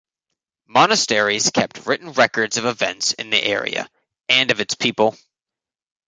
Monasteries kept written records of events in the area and of its people.